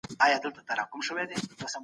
که يووالی وي نو دښمن ماتې خوري.